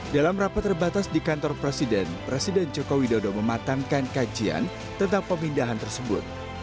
dalam rapat terbatas di kantor presiden presiden jokowi dodo mematangkan kajian tentang pemindahan tersebut